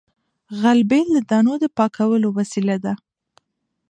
غلبېل د دانو د پاکولو وسیله ده